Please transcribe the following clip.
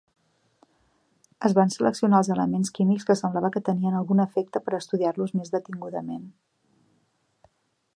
Es van seleccionar els elements químics que semblava que tenien algun efecte per estudiar-los més detingudament.